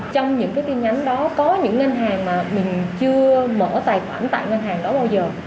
trong những cái tin nhắn đó có những ngân hàng mà mình chưa mở tài khoản tại ngân hàng đó bao giờ